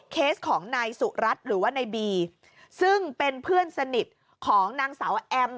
เคสของนายสุรัตน์หรือว่านายบีซึ่งเป็นเพื่อนสนิทของนางสาวแอม